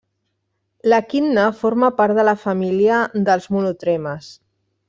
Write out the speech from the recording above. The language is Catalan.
L'equidna forma part de la família dels monotremes.